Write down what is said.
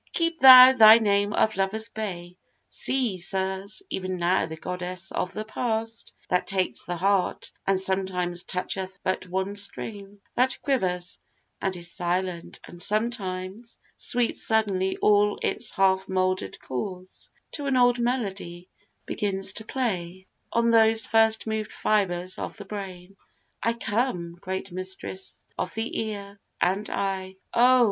Keep thou thy name of 'Lover's bay': See, Sirs, Even now the Goddess of the Past, that takes The heart, and sometimes toucheth but one string, That quivers, and is silent, and sometimes Sweeps suddenly all its half moulder'd chords To an old melody, begins to play On those first moved fibres of the brain. I come, Great mistress of the ear and eye: Oh!